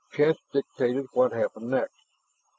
Chance dictated what happened next.